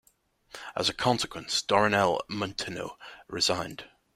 As a consequence, Dorinel Munteanu resigned.